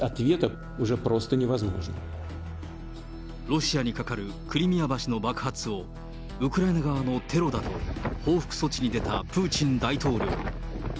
ロシアに架かるクリミア橋の爆発を、ウクライナ側のテロだと報復措置に出たプーチン大統領。